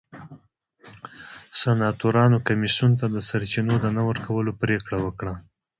سناتورانو کمېسیون ته د سرچینو د نه ورکولو پرېکړه وکړه.